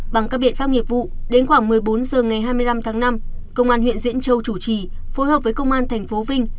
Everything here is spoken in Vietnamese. bằng các biện pháp nghiệp vụ đến khoảng một mươi bốn h ngày hai mươi năm tháng năm công an huyện diễn châu chủ trì phối hợp với công an thành phố vinh